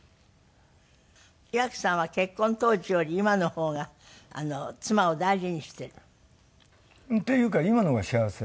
岩城さんは結婚当時より今の方が妻を大事にしてる？っていうか今の方が幸せ。